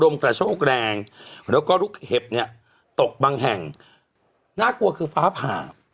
กระโชกแรงแล้วก็ลูกเห็บเนี่ยตกบางแห่งน่ากลัวคือฟ้าผ่า